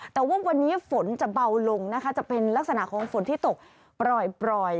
แต่ว่าวันนี้ฝนจะเบาลงนะคะจะเป็นลักษณะของฝนที่ตกปล่อย